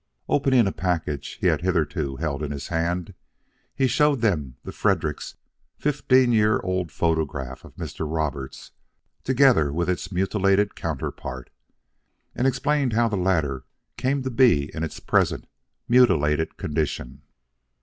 Opening a package he had hitherto held in hand, he showed them Fredericks' fifteen year old photograph of Mr. Roberts, together with its mutilated counterpart, and explained how the latter came to be in its present mutilated condition.